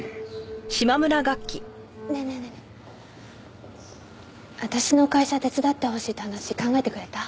私の会社手伝ってほしいって話考えてくれた？